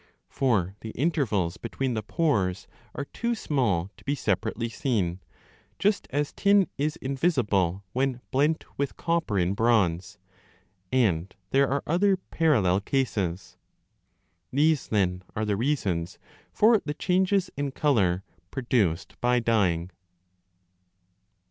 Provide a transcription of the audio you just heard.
For the intervals between the pores are too small to be separately seen, just as tin is invisible when blent with copper in bronze ; and there are other parallel cases. 10 These then are the reasons for the changes in colour produced by dyeing.